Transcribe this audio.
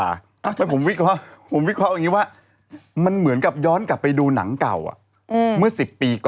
คุณหนุ่มวิเคราะห์ว่ายังไง